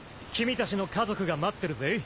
君たちの家族が待ってるぜ。